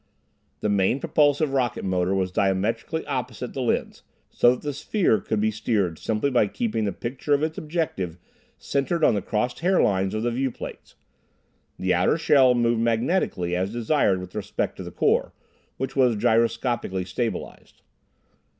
The main propulsive rocket motor was diametrically opposite the lens, so that the sphere could be steered simply by keeping the picture of its objective centered on the crossed hairlines of the viewplates. The outer shell moved magnetically as desired with respect to the core, which was gyroscopically stabilized.